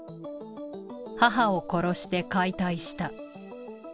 母を殺して解体した。